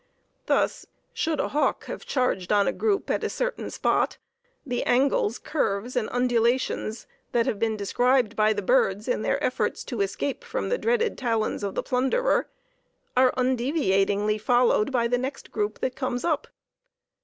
Thus, should a hawk have charged on a group at a certain spot, the angles, curves and undulations that have been described by the birds, in their efforts to escape from the dreaded talons of the plunderer, are undeviatingly followed by the next group that comes up.